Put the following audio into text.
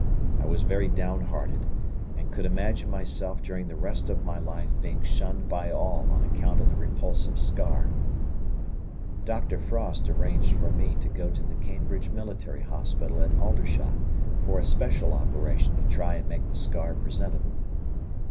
I was very down hearted and could imagine myself during the rest of my life being shunned by all on account of the repulsive scar. Dr. Frost arranged for me to go to the Cambridge Military Hospital at Aldershot for a special operation to try and make the scar presentable.